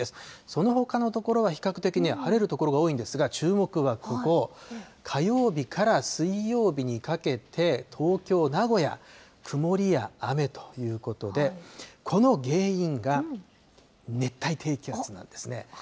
そのほかの所は比較的に晴れる所が多いんですが、注目はここ、火曜日から水曜日にかけて、東京、名古屋、曇りや雨ということで、この原因が、熱帯低気圧なんですね。